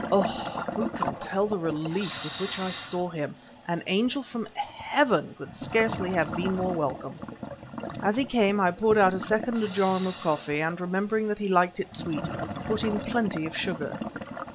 Oh! who can tell the relief with which I saw him; an angel from heaven could scarcely have been more welcome. As he came I poured out a second jorum of coffee, and remembering that he liked it sweet, put in plenty of sugar.